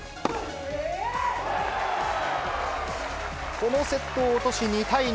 このセットを落とし２対２。